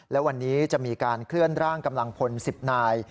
และวันนี้จะมีการเคลื่อนร่างกำลังพล๑๐นาย